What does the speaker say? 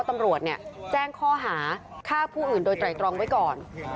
ตำรวจแจ้งข้อหาฆ่าผู้อื่นโดยไตรตรองไว้ก่อน